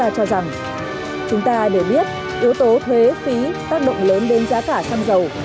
cho rằng chúng ta đều biết yếu tố thuế phí tác động lớn đến giá cả xăng dầu